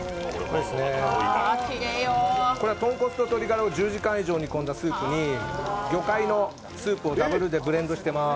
これは豚骨と鶏がらを１０時間以上煮込んだスープに魚介のスープをダブルでブレンドしてます。